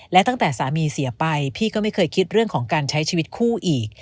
และตั้งแต่สามีเสียไปพี่ก็ไม่เคยคิดเรื่องของการใช้ชีวิตคู่อีก